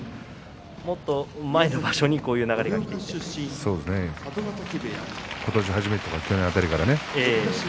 もっと前の場所にこういう流れがきてもと。